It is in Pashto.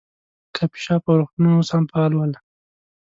کافې شاپ او روغتونونه اوس هم فعال ول.